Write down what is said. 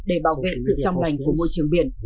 để bảo vệ sự trong lành của môi trường biển